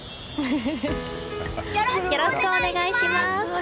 よろしくお願いします！